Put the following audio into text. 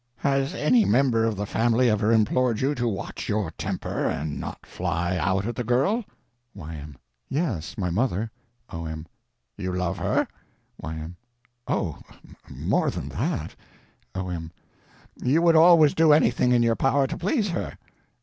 Has any member of the family ever implored you to watch your temper and not fly out at the girl? Y.M. Yes. My mother. O.M. You love her? Y.M. Oh, more than that! O.M. You would always do anything in your power to please her?